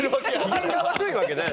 機嫌が悪いわけない。